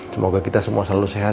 semoga kita semua selalu sehat ya ma ya